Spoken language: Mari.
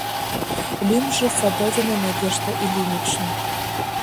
— Лӱмжӧ — Садовина Надежда Ильинична».